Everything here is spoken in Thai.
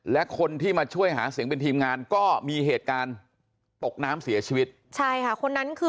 และคนที่มาช่วยหาเสียงเป็นทีมงานก็มีเหตุการณ์ตกน้ำเสียชีวิตใช่ค่ะคนนั้นคือ